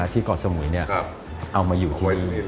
ที่ก่อนสมุยเอามาอยู่ที่นี่